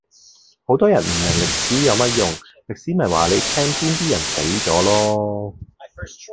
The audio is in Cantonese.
好多人唔明歷史有乜用，歷史咪話你聽邊啲人死咗囉